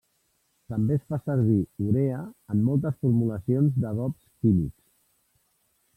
També es fa servir urea en moltes formulacions d'adobs químics.